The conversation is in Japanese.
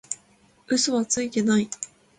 嘘はついてない